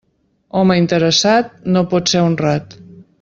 Home interessat, no pot ser honrat.